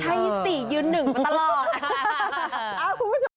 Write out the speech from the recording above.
ใช่สิยืนหนึ่งมาตลอด